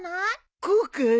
こうかい？